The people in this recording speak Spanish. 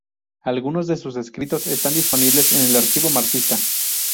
Algunos de sus escritos están disponibles en el archivo marxista.